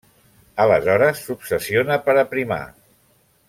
Aleshores s'obsessiona per aprimar.